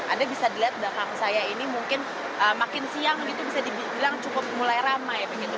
anda bisa dilihat belakang saya ini mungkin makin siang itu bisa dibilang cukup mulai ramai begitu